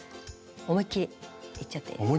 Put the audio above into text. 思いっきりいっちゃっていいです。